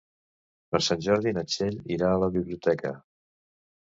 Per Sant Jordi na Txell irà a la biblioteca.